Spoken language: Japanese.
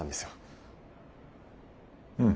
うん。